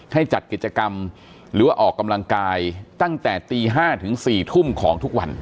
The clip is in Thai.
ให้จัดกิจกรรมหรือว่าออกกำลังกายตั้งแต่ตี๕ถึง๔ทุ่มของทุกวัน